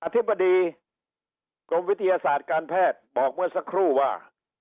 อธิบดีประธานาฬงครามวิทยาศาสตร์การแพทย์บอกเมื่อสักครู่ว่า